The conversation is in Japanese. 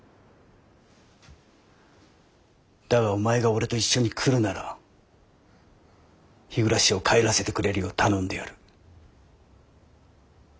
だがお前が俺と一緒に来るなら日暮を帰らせてくれるよう頼んでやる。